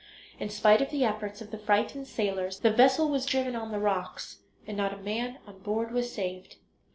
In spite of the efforts of the frightened sailors the vessel was driven on the rocks, and not a man on board was saved.